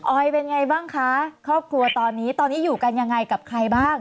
อยเป็นไงบ้างคะครอบครัวตอนนี้ตอนนี้อยู่กันยังไงกับใครบ้าง